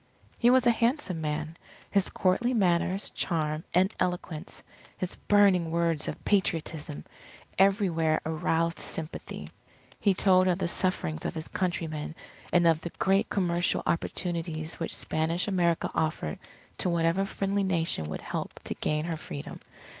He was a handsome man. His courtly manners, charm, and eloquence, his burning words of Patriotism, everywhere aroused sympathy. He told of the sufferings of his countrymen, and of the great commercial opportunities which Spanish America offered to whatever friendly Nation would help to gain her Freedom.